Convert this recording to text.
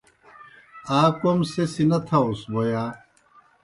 آ کوْم سہ سیْ نہ تھاؤ بوْ یا؟